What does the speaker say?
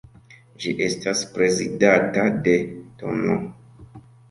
Ĝi estas prezidata de tn.